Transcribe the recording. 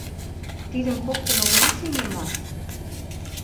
Тидым коктын огына сеҥе мо?